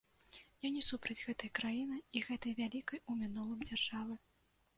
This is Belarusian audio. Я не супраць гэтай краіны і гэтай вялікай у мінулым дзяржавы.